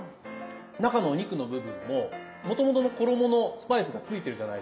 中のお肉の部分ももともとの衣のスパイスがついてるじゃないですか。